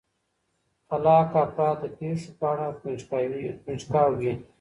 خلاق افراد د پېښو په اړه کنجکاو وي.